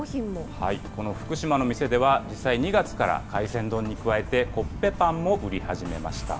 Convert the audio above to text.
この福島の店では、実際２月から海鮮丼に加えて、コッペパンも売り始めました。